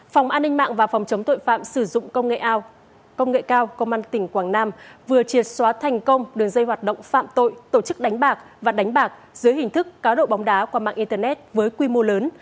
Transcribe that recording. phòng an ninh mạng và phòng chống tội phạm sử dụng công nghệ cao công an tỉnh quảng nam vừa triệt xóa thành công đường dây hoạt động phạm tội tổ chức đánh bạc và đánh bạc dưới hình thức cá độ bóng đá qua mạng internet với quy mô lớn